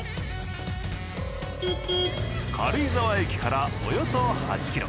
軽井沢駅からおよそ８キロ。